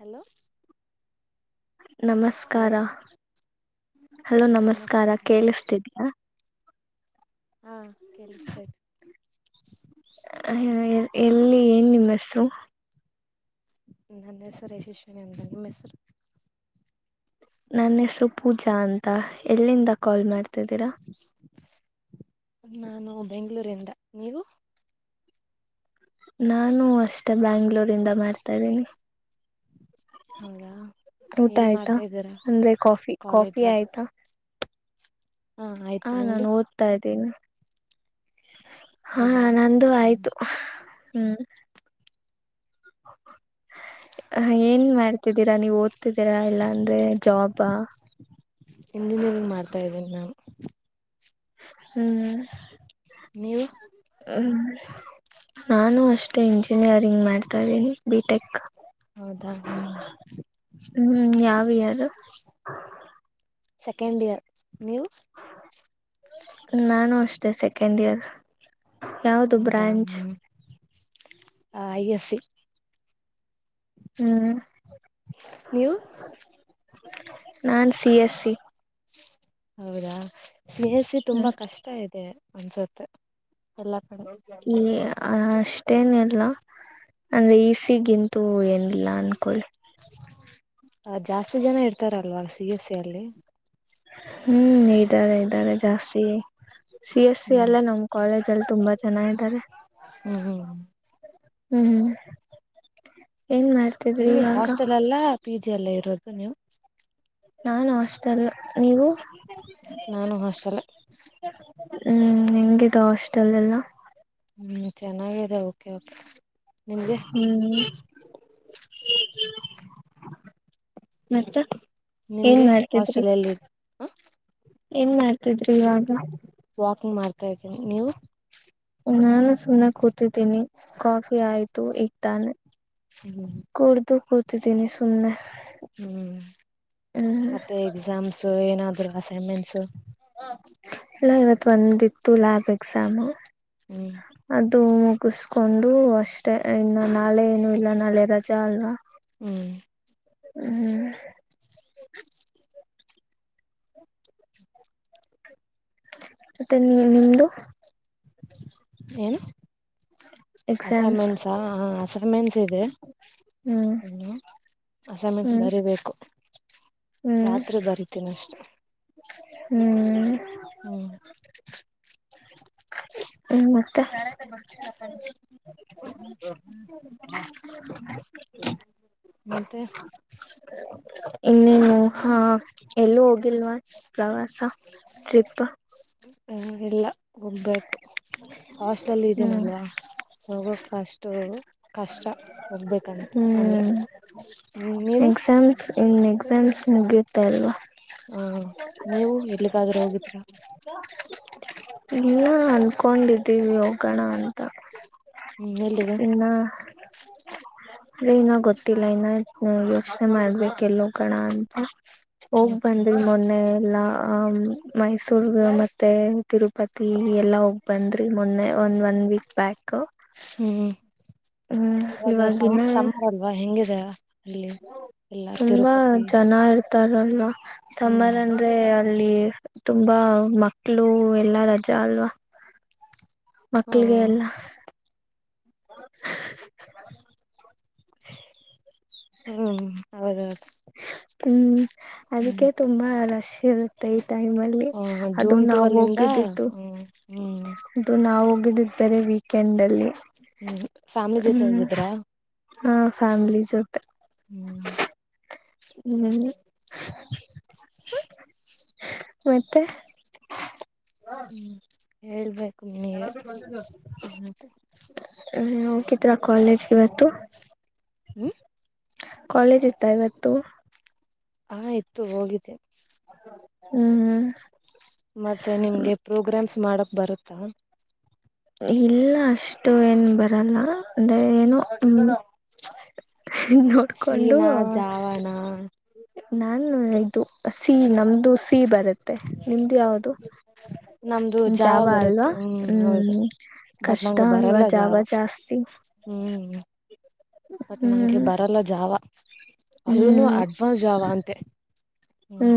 Hello hello ನಮಸ್ಕಾರ [unintelligible] [inaudible] hello ನಮಸ್ಕಾರ ಕೇಳಿಸ್ತಿದಿಯ ಹಾ ಕೇಳಿಸ್ತಯ್ತು ಆ ಎಲ್ಲಿ ಏನ್ ನಿಮ್ಮ ಹೆಸರು ನನ್ನ ಹೆಸರು ಯಶಶ್ವಿನಿ ಅಂತ ನಿಮ್ಮ ಹೆಸರು ನನ್ನ ಹೆಸರು ಪೂಜಾ ಅಂತ ಎಲ್ಲಿಂದ ಕಾಲ್ ಮಾಡ್ತಿದ್ದೀರಾ ನಾನು ಬೆಂಗಳೂರಿಂದ ನೀವು ನಾನು ಅಷ್ಟೇ ಬೆಂಗಳೂರಿಂದ ಮಾಡ್ತಾ ಇದ್ದೀನಿ ಹೌದಾ ಊಟ ಏನ್ ಆಯ್ತಾ ಮಾಡ್ತಾ ಇದ್ದೀರಾ ಅಂದ್ರೆ ಕಾಫಿ ಕಾಲೇಜ ಕಾಫಿ ಆಯ್ತಾ ಹಾ ಆಯ್ತು ನಿಮ್ದು ನಾನು ಓದ್ತಾ ಇದೀನಿ ಹಾ ಹೌದಾ ನಂದು ಹ್ಮ್ ಆಯ್ತು ಹ್ಮ್ [unintelligible] ಏನ್ ಮಾಡ್ತಿದ್ದೀರಾ ನೀವು ಓದ ಇದೇರಾ ಇಲ್ಲಾಂದೆ ಜಾಬಾ ಇಂಜಿನಿಯರಿಂಗ್ ಮಾಡ್ತಾ ಇದ್ದೀನಿ ನಾನು ಹ್ಮ್ ನೀವು ಹ್ಮ್ ನಾನು ಅಷ್ಟೇ ಇಂಜಿ ಇಂಜಿನಿಯರಿಂಗ್ ಮಾಡ್ತಾಯಿದಿನಿ ಬಿ ಟೆಕ್ ಹೌದಾ ಹ್ಮ್ ಹಾ ಸೆಕೆಂಡ್ ಇಯರ್ ನೀವು ನಾನು ಅಷ್ಟೇ ಸೆಕೆಂಡ್ ಇಯರ್ ಯಾವದು ಹೌದಾ branch hmm I S C ಹ್ಮ್ ನೀವು ನಾನ್ ಸಿ ಎಸ್ ಸಿ ಹೌದಾ ಸಿ ಎಸ್ ಸಿ ತುಂಬಾ ಹ್ಮ್ ಕಷ್ಟ ಇದೆ ಅನ್ಸತ್ತೆ ಹೇಯ್ ಹಾ ಅಷ್ಟೇನು ಇಲ್ಲ ಅಂದ್ರೆ ಇ ಸಿ ಗಿಂತು ಏನಿಲ್ಲ ಅನ್ಕೋತೀನಿ ಅ ಜಾಸ್ತಿ ಜನ ಇರ್ತಾರಲ್ವಾ ಸಿ ಎಸ್ ಸಿ ಅಲ್ಲಿ ಹ್ಮ್ ಇದ್ದಾರೆ ಇದ್ದಾರೆ ಜಾಸ್ತಿ ಸಿ ಎಸ್ ಸಿ ಹ್ಮ್ ಎಲ್ಲ ನಮ್ ಕಾಲೇಜ್ ಅಲ್ಲಿ ತುಂಬಾ ಜನ ಇದ್ದಾರೆ ಹ್ಮ್ ಹ್ಮ್ ಹ್ಮ್ ಹ್ಮ್ ಏನ್ ಮಾಡ್ತಿದ್ರಿ ಇವಾಗ ಜಜಿ ಎಲ್ಲ ಇರೋದು ನೀವು ನಾನು ಹಾಸ್ಟೆಲ್ ನೀವು ನಾನು ಹಾಸ್ಟಲ್ಲ ಹ್ಮ್ ಹೆಂಗದು ಹಾಸ್ಟೆಲ್ ಎಲ್ಲ ಹ್ಮ್ ಚೆನ್ನಾಗಿದೆ ಓಕೆ ಓಕೆ ನಿಮ್ಗೆ ಹ್ಮ್ ಮತ್ತ ನಿಮ್ಗೆ ಹಾಸ್ಟೆಲ್ಲ್ಲಿ ಹಾ ಏನ್ ಮಾಡ ತಿದ್ರಿ ಇವಾಗ ಇದೀನಿ ನೀವು ನ ನ ಸುನ್ನ ಕೊತ ತಿದಿನಿ ಕಾಫಿ ಆಯ್ತು ತಾನ ಹ್ಮ್ ಕೊಡ್ದುು ಕೂತಿ ದಿನ ಸೆ ಹ್ಮ್ ಮತ್ತ ಎಕ್ಸಾಮ್ಸ್ ಏನಾದ್ರು ಅಸೈನ್ಮೆಂಟ್ಸ್ ಇಲ್ಲ ಇವತ್ ಒಂದಿತ್ತು ಲ್ಯಾಬ್ ಎಕ್ಸಾಮು ಹ್ಮ್ ಅದು ಮುಗುಸ್ ಹಕೊಂಡು ಅಷ್ಟೇ ಇನ್ನು ನಾಳೆ ಏನು ಇಲ್ಲ ನಾಳೆ ರಜೆ ಅಲ್ ಹ್ಮ್ ಹ್ಮ್ ಮತ್ತೆ ನೀ ನಿಮ್ದು ಏನ್ ಎಕ್ಸಾಮ್ಸ್ ಅಸೈಮೆಂಟ್ಸ್ ಅಸೈಮೆಂಟ್ಸ್ ಇದೆ ಹ್ಮ್ ಇನ್ನು ಅಸಮೆಂಟ್ಸ್ ಹ್ಮ್ ಬರಿಬೇಕು ಹ್ಮ್ ರಾತ್ರಿ ಬರಿತೀನಿ ಅಷ್ಟ ಹ್ಮ್ ಹ್ಮ್ ಹ್ಮ ಮತ್ತೆ ಹ್ಮ್ ಹ್ಮ್ [unintelligible] ಹ [inaudible] ಮತ್ತೆ ಇನ್ನೇನು ಹಾ ಎಲ್ಲ ಹೋಗಿಲ್ವಾ ಪ್ರವಾಸ ಟ್ರಿಪ್ ಹ್ಮ ಇಲ್ಲ ಹೋಗ್ ಬೇಕು ಹಾಸ್ಟೆಲ್ ಹ್ಮ್ ಇದ್ದೀನಲ್ವಾ ಹೋಗೋಕ್ ಅಷ್ಟು ಕಷ್ಟ ಹೋಗ್ಬೇಕಂತ ಅಂದ್ರೆ ಹ್ಮ್ ಹ್ಮ ನೀವು ಎಕ್ಸಾಮ್ಸ್ ಇನ್ ಎಕ್ಸಾಮ್ಸ್ ಮುಗಿಯುತ್ತಾ ಅಲ್ವಾ [inaudible] ಹ ನೀವು ಎಲ್ಲಿಗಾದ್ರೂ ಹೋಗಿದ್ರಾ [inaudible] ಅನ್ಕೊಂಡಿದ್ದೀವಿ ಹೋಗೋಣ ಅಂತ ಹ್ಮ್ ಎಲ್ಲಿಗ ಇನ್ನ ಅದೇ ಇನ್ನ ಗೊತ್ತಿಲ್ಲ ಇನ್ನ ಯೋಚನೆ ಮಾಡ್ಬೇಕ ಎಲ್ ಹೋಗೋಣ ಅಂತ ಹೋಗ್ ಹೌದಾ ಬಂದ್ರಿ ಮೊನ್ನೆ ಎಲ್ಲಾ ಹಹ ಸುಳ್ಗ ಮತ್ತೆ ತಿರು ಪಕ್ಕಿ ಎಲ್ಲಾ ಬಂದ್ರಿ ಮೊನ್ನೆ ಒಂದ್ ಒನ್ ವೀಕ್ ಬ್ಯಾಕ್ ಹ್ಮ್ ಹ್ಮ್ ಇವಾಗ ಸಮ್ ಇವಾಗಿನ ಸಮ್ಮರ್ ಅಲ್ವಾ ಹೆಂಗಿದೆ ಅಲ್ಲಿ ಎಲ್ಲಾ ತುಂಬಾ ತಿರುಪತಿ ಜನ ಇರ್ತಾರ [inaudible] ಹ್ಮ್ ಸೋಮವಾರ ಅಂದ್ರೆ ಅಲ್ಲಿ ತುಂಬಾ ಮಕ್ಕಳು ಎಲ್ಲಾ ರಜಾ ಅಲ್ವಾ ಹ ಮಕ್ಳಿಗೆ ಎಲ್ಲ [inaudible] [inaudible] ಹ್ಮ್ ಹೌದೌದು ಹ್ಮ್ ಅದಕ್ಕೆ ಹ್ಮ್ ತುಂಬಾ ರಷ್ಟ ಸಿರುತೆೈ ಟೈಮಲ್ಲಿ ಹ ಅದು ಜೂನ್ ನಾವು ಟುವೆಲ್ ಇಂದ ಹೋಗಿದ್ದುದ್ದು ಹ್ಮ್ ಹ್ಮ್ ದು ನಾವು ಗುಡುಗ್ ತಾರೆ ವೀಕೆಂಡ್ ಅಲ್ಲಿ ಹ್ಮ್ ಫ್ಯಾಮಿಲಿ ಜೊತೆ ಹ್ಮ್ ಹೋಗಿದ್ರಾ ಹಾ ಫ್ಯಾಮಿಲಿ ಜೊತೆ ಹ್ಮ್ ಹ್ಮ್ ಮತ್ತೆ [inaudible] ಹೇಳ್ಬೇಕ್ ಹೋಗಿದ್ರಾ ಕಾಲೇಜ್ಗೆ ಇವತ್ತು ಕಾಲೇಜ್ ಇತ್ತ ಇವತ್ತು ಹಾ ಇತ್ತು ಹೋಗಿದ್ದೆ ಹ್ಮ್ ಹ್ಮ ಮಾಡಪ್ ಬರುತ್ತಾ ಇಲ್ಲ ಅಷ್ಟು ಏನ್ ಬರಲ್ಲ ಅಂದ್ರೆ ಏನು ನೋಡ್ಕೊಂಡು ಸೀನಾ ಜಾವಾನ ನಾನು ಇದು ಸಿ ನಮ್ದು ಸಿ ಬರುತ್ತೆ ನಿಮ್ದು ಯಾವ್ದದು ನಮ್ದು ಜಾವ ಬರುತ್ತೆ ಹ್ಮ್ ಹೌದು ಬಟ್ ಕಷ್ಟ ನಂಗೆ ಅಲ್ವಾ ಬರಲ್ಲ ಜಾಗ ಜಾವ ಜಾಸ್ತಿ ಹ್ಮ್ ಬಟ್ ನಂಗೆ ಹ್ಮ್ ಬರಲ್ಲ ಜಾವ [inaudible] ಹ್ಮ್ ಅದುನು ಅಡ್ವಾನ್ಸ್ ಆವ ಅಂತೆ ಹ್ಮ್ [inaudible]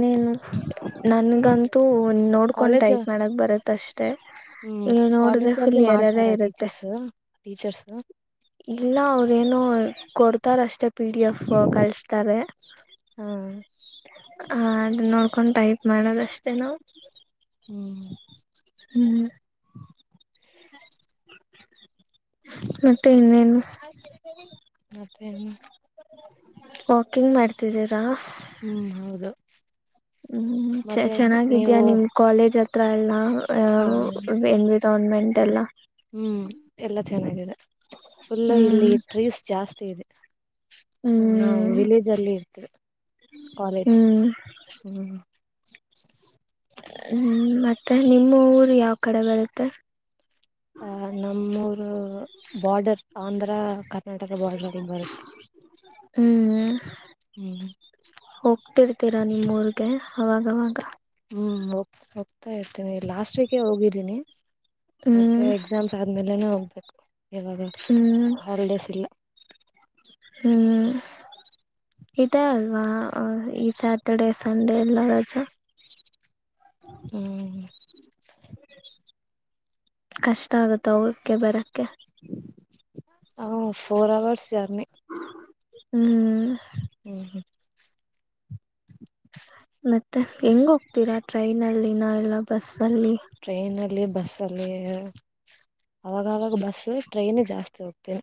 ನೀನು ನನ್ಗಂತೂ ನೋಡ್ಕೊಂಡ್ ಕಾಲೇಜ್ ಟೈಪ್ ಮಾಡಕ್ ಬರತ್ತ ಅಷ್ಟೇ ಹ್ಮ್ ಕಾಲೇಜ್ ಅಲ್ಲಿ ಎರರೇ ಮಾಡ್ತಾರ ಇರುತ್ತೆ ಟೀಚರ್ಸ್ ಟೀಚರ್ಸ್ ಆ ಇಲ್ಲ ಅವ್ರೇನು ಕೊಡ್ ತಾರಾಷ್ಟೇ ಪಿ ಡಿ ಎಫ್ ಕಳಸ್ತಾರೆ ಹಾ ಆ ಅದ್ ನೋಡ್ ಕೊಂಡ್ ಟೈಪ್ ಮಾಡೋದಷ್ಟೇ ನಾವು. ಹ್ಮ್ ಹ್ಮ್ [unintelligible] ಮತ್ತೆ ಇನ್ನೇನು ಮತ್ತೆ ವಾಕಿಂಗ್ ಮಾಡ್ತಿದ್ದೀರಾ? ಹ್ಮ್ ಹೌದು ಹ್ಮ್ ಚ ಮತ್ತೆ ಚೆನ್ನಾಗಿದ್ಯಾ ನೀವು ನಿಮ್ ಕಾಲೇಜ್ ಹ ತ್ರ ಎಲ್ಲ ಎ ಆ ಅವ್ ಬೆಂಗ್ ಗೌರ್ಮೆಂಟ್ ಎಲ್ಲ ಹ್ಮ್ ಎಲ್ಲ ಚೆನ್ನಾಗಿದೆ. ಫುಲ್ಲು ಹ್ಮ್ ಇಲ್ಲಿ ಟ್ರೀಸ್ ಜಾಸ್ತಿ ಇದೆ. ಹ್ಮ್ ನಾವು ವಿಲೇಜ್ ಅಲ್ಲಿ ಇರ್ತೇವಿ ಕಾಲೇಜ್ ಹ್ಮ್ ಹ್ಮ್ ಹ್ಮ್ ಮತ್ತೆ ನಿಮ್ಮ ಊರ್ ಯಾವ ಕಡೆ ಬರುತ್ತೆ? ಅ ನಮ್ಮೂರು ಬಾರ್ಡರ್ ಆಂಧ್ರ ಕ ರ್ನಾಟಕ ಬಾರ್ಡ್ರಡಿ ಬರುತ್ತೆ ಹ್ಮ್ ಹೊ ತಿಡ್ತೀರಾ ನಿಮ್ಮುರ್ಗೆ? ಅವಾಗವಾಗ ತ ಇರ್ತೀನಿ ಲಾಸ್ಟ್ ವೀಕೆ ಹೋಗಿದ್ದೀನಿ. ಮತ್ತೆ ಹ್ಮ್ ಎಕ್ಸಾಮ್ಸ್ ಆದ್ಮೇಲೆನೂ ಹೋಗಬೇ ಇವಾಗ ಹ್ಮ್ ಹಾಲಿಡೇಸ್ ಇಲ್ಲ. ಹ್ಮ್ ಇದೇ ಅಲ್ವಾ ಈ ಸ್ಯಾಟರ್ಡೆ ಸಂಡೇ ಎಲ್ಲ ರಜ ಹ್ಮ್ ಕಷ್ಟ ಆಗುತ್ತ ಹೋಗಕ್ಕೆ ಬರ ಕ್ಕೆ ಹ ಫೋರ್ ಅವರ್ಸ್ ಜರ್ನಿ. ಹ್ಮ್ ಊ ಹ್ಮ [unintelligible] ಮತ್ತೆ ಹೆಂಗ್ ಹೋಗ್ತೀರಾ? ಟ್ರೈನ್ ಅಲ್ಲಿ ನ ಎಲ್ಲ ಬಸ್ ಟ್ರೈನ್ ಅಲ್ಲಿ ಬಸ್ ಅಲ್ಲಿ ಅವಾಗವಾಗ ಬಸ್ ಟ್ರೈನ್ ಜಾಸ್ತಿ ಹೋಗ್ತಿ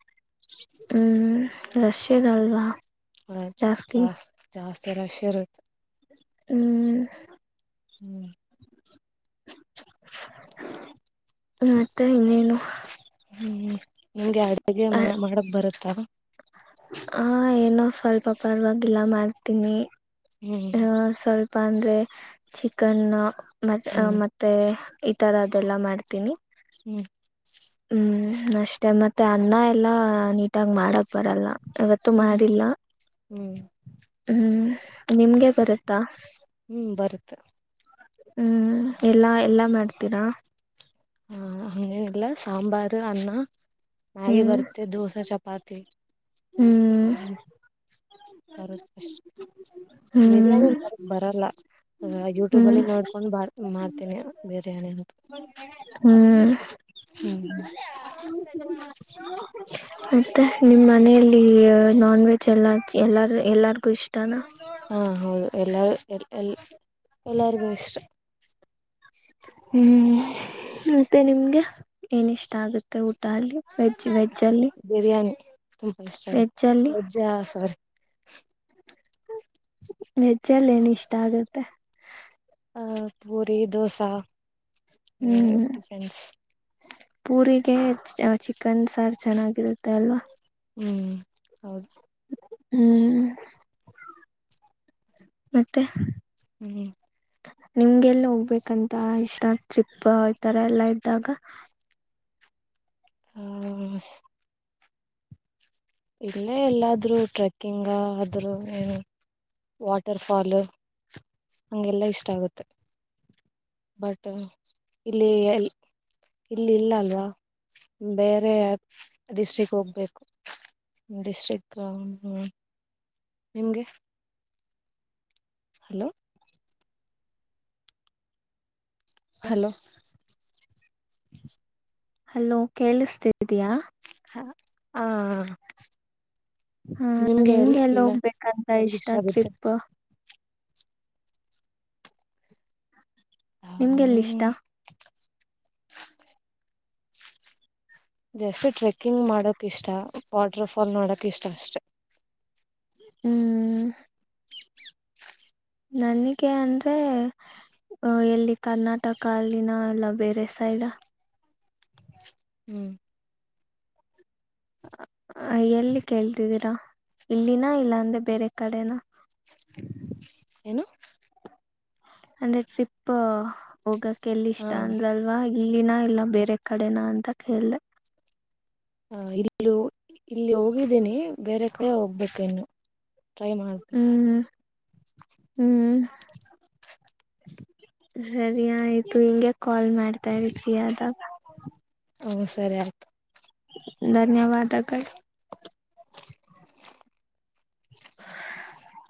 ಹ್ಮ್ ರಶದಲ್ವಾ ಹ ಚಾಸ್ ಜಾಸ್ತಿ ಸರ ಶರುತ್ ಹ್ಮ್ ಹ್ಮ್ [unintelligible] ಮತ್ತೆ ಇನ್ನೇನು ಹ್ಮ್ ನಿಂಗೆಅಡುಗೆ ಮಾಡಕ್ ಬರುತ್ತಾ ಆ ಏನೋ ಸ್ವಲ್ಪ ಪರವಾಗಿಲ್ಲ ಮಾಡ್ತೀನಿ ಹ್ಮ್ ಹ ಸರಿ ಜಪ್ಪನ್ರೆ ಚಿಕನ್ ಮತ್ತೆ ಹ್ಮ್ ಮತ್ತೆ ಈ ತರ ಅದೆಲ್ಲ ಮಾಡ್ತೀನಿ ಹ್ಮ್ ಹ್ಮ್ ಅಷ್ಟೆ ಮತ್ತೆ ಅನ್ನ ಎಲ್ಲಾ ನೀಟಾಗಿ ಮಾಡಕ್ ಬರಲ್ಲ ಅವವತ್ತು ಹ್ಮ್ ಮಾಡಿಲ್ಲ ಹ್ಮ್ ಹ್ಮ್ ನಿಮ್ಗೆ ಬರುತ್ತಾ ಹ್ಮ್ ಬರುತ್ತೆ ಹ್ಮ್ ಎಲ್ಲಾ ಎಲ್ಲಾ ಮಾಡ್ತೀರಾ ಹ ಅಂಗೇ ಇಲ್ಲ ಸಾಂಬಾರ ಅನ್ನಾ ಮ್ಯಾಗಿ ಹ್ಮ್ ಬರುತ್ತೆ ದೋಸೆ ಚಪಾತಿ ಹ್ಮ್ ಹ್ಮ ಬರು ಹ್ಮ್ ಬಿರಿಯಾನಿ ಮಕ್ ಬರಲ್ಲ ಯೂಟ್ಯೂಬ ಹ್ಮ್ ಅಲ್ಲಿ ನೋಡ್ಕೊಂಡ್ ಬ ಮಾಡ್ತೀನಿ ಬಿರಿಯಾನಿ ಅಂತ ಹ್ಮ್ ಹ್ಮ್ ಮತ್ತಾ ನಿಮ್ಮ್ ಮನೆಯಲ್ಲಿ ನಾನ್ ವೆಜ್ ಎಲ್ಲಾ ಎಲ್ಲಾರ ಎಲ್ಲಾರ್ ಹಾ ಹೌದು ಎಲ್ಲ ಎ ಎ ಎಲ್ಲಾರಗ ಇಷ್ಟ ಹ್ಮ್ ಮತ್ತೆ ನಿಮ್ಗೆ ಏನಿಷ್ಟ ಆಗುತ್ತೆ ಊಟ ಅಲ್ಲಿ ವೆಜ್ ವೆಜ್ ಅಲ್ಲಿ ಬಿರಿಯಾನಿ ತುಂಬಾ ಇಷ್ಟ ಆಯತು ವೆಜ್ ಅಲ್ಲಿ ವೆಜ್ಜ ಸಾರಿ [inaudible] ನಿದ್ದೆಯಲ್ಲಿ ಏನ್ ಇಷ್ಟ ಆಗುತ್ತೆ ಆ ಪೂರಿ ದೋಸಾ ಏನು ಹ್ಮ್ ಟಿಫನ್ ಪೂರಿಗೆ ಚಿ ಅ ಚಿಕನ್ ಸಾರ ಚೆನ್ನಾಗಿರುತ್ತೆ ಅಲ್ವಾ ಹ್ಮ್ ಹೌದು ಹ್ಮ್ ಮತ್ತೆ ಹೇಳಿ ನಿಮ್ಗೆಲ್ಲ ಹೋಗ್ಬೇಕಂತ ಇಷ್ಟ ಟ್ರಿಪ್ ಈತರ ಎಲ್ಲಾ ಇದ್ದಾಗ ಹ್ಮ ಸ್ ಇಲ್ಲೇ ಎಲ್ಲಾದ್ರೂ ಟ್ರೆಕ್ಕಿಂಗ್ ಆದ್ರೂ ಏನು ವಾಟರ್ಫಾಲು ಹಂಗೆಲ್ಲ ಇಷ್ಟ ಆಗತ್ತೆ ಬಟ್ ಇಲ್ಲಿ ಎಲ್ ಇಲ್ಲಿ ಇಲ್ಲಾ ಅಲ್ವಾ ಬೇರೆ ಡಿಸ್ಟ್ರಿಕ್ ಹೋಗ್ಬೇಕು ಡಿಸ್ಟ್ರಿಕ್ ಹ್ಮ್ ನಿಮ್ಗೆ ಹಲೋ ಹಲೋ ಹಲೋ ಕೇಳಸ್ತಿದೀಯಾ ಹ ಹ ಹಾ ನಿಮ್ಗೆ ಎಲ್ಲಿ ನಿಮ್ಗೆಲ್ಲ ಎಲ್ಲ ಹೋಗ್ಬೇಕಂತ ಎಲ್ಲಿ ಇಷ್ಟ ಆಗುತ್ತೆ ಟ್ರಿಪ್ ನಿಮ್ಗೆಲ್ಲ ಇಷ್ಟ ಹ್ಮ್ ಜಸ್ಟ್ ಟ್ರೆಕ್ಕಿಂಗ್ ಮಾಡಕ್ ಇಷ್ಟ ವಾಟರ್ ಫಾಲ್ ನೋಡಕ್ ಇಷ್ಟ ಅಷ್ಟೆ ಹ್ಮ್ ನನಿಗೆ ಅಂದ್ರೆ ಅ ಎಲ್ಲಿ ಕರ್ನಾಟಕ ಅಲ್ಲಿನ ಅಲ್ಲ ಬೇರೆ ಸೈಡಾ ಹ್ಮ್ ಅ ಎಲ್ಲಿ ಕೇಳ್ತಿದ್ದೀರಾ ಇಲ್ಲಿನ ಇಲ್ಲ ಅಂದ್ರೆ ಬೇರೆ ಕಡೆನ ಏನು ಅಂದ್ರೆ ಟ್ರಿಪ್ ಹೋಗಕ್ ಎಲ್ಲಿ ಹಾ ಇಷ್ಟಾ ಅಂದ್ರಲ್ವಾ ಇಲ್ಲಿನ ಇಲ್ಲಾ ಬೇರೆ ಕಡೆನಾ ಅಂತಾ ಕೇಳ್ದೆ ಹ ಇಲ್ಲ ಹೋ ಇಲ್ಲಿ ಹೋಗಿದೀನಿ ಬೇರೆ ಕಡೆ ಹೋಗ್ಬೇಕು ಇನ್ನು ಟ್ರೈ ಮಾಡ್ಬೇಕು ಹ್ಮ್ ಹ್ಮ್ [inaudible] ಸರಿ ಆಯ್ತು ಹಿಂಗೆ ಕಾಲ್ ಮಾಡ್ತಾ ಇರಿ ಫ್ರೀ ಅದಾಗಾ ಹಓ ಸರಿ ಆಯ್ತು ಧನ್ಯವಾದಗಳು [inaudible]